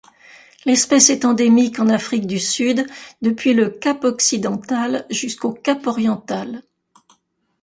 L'espèce est endémique en Afrique du Sud depuis le cap-Occidental jusqu'au cap-Oriental.